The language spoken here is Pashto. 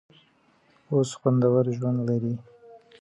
اوس خوندور ژوند لري.